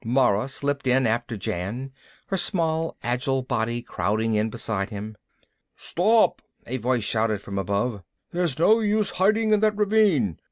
Mara slipped in after Jan, her small agile body crowding in beside him. "Stop!" a voice shouted from above. "There's no use hiding in that ravine.